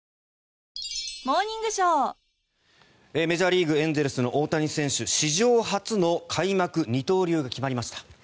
メジャーリーグエンゼルスの大谷選手史上初の開幕二刀流が決まりました。